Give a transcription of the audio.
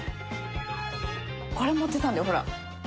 これ持ってたんだよほら。